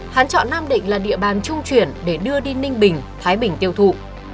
hán chọn nam định là địa bàn trung chuyển để đưa đi ninh bình thái bình tiêu thụ